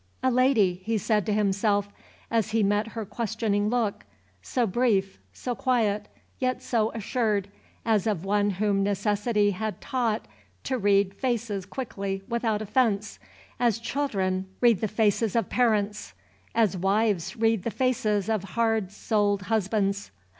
"A lady," he said to himself, as he met her questioning look, so brief, so quiet, yet so assured, as of one whom necessity had taught to read faces quickly without offence, as children read the faces of parents, as wives read the faces of hard souled husbands.